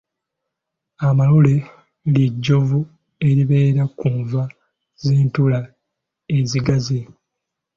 Amalule lye jjovu eribeera ku nva z’entula ezigaze.